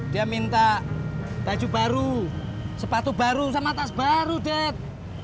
dia minta baju baru sepatu baru sama tas baru dek